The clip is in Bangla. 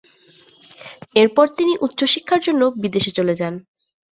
এরপর তিনি উচ্চশিক্ষার জন্য বিদেশে চলে যান।